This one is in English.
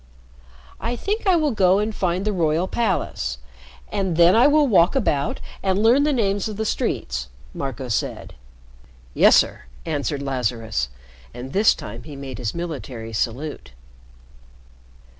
"I think I will go and find the royal palace, and then I will walk about and learn the names of the streets," Marco said. "Yes, sir," answered Lazarus, and this time he made his military salute.